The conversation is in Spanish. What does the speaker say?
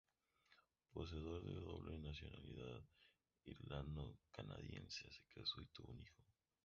Poseedor de la doble nacionalidad irano-canadiense, se casó y tuvo un hijo.